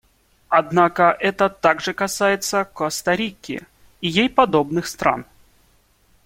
Однако это также касается Коста-Рики и ей подобных стран.